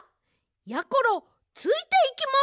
やころついていきます！